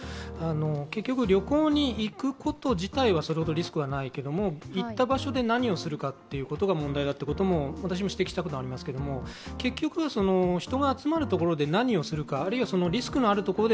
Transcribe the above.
結局、旅行に行くこと自体はそれほどリスクがないけど行った場所で何をするかということが問題だということも私も指摘したことがありますけども、結局、人が集まるところで何をするか何をするか、あるいはリスクのあるところで